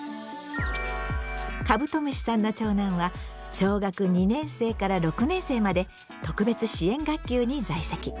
カブトムシさんの長男は小学２年生から６年生まで特別支援学級に在籍。